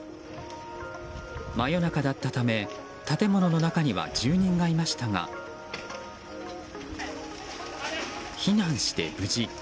真夜中だったため建物の中には住人がいましたが避難して無事。